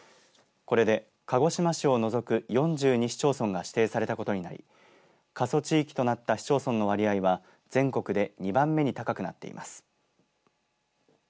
これで鹿児島市を除く４２市町村が指定されたことになり過疎地域となった市町村の割合は全国で２番目に高くなっています。